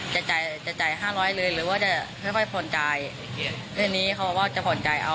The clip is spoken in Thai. เขาก็เหมือนมีเหมือนจะไม่พอใจแหละ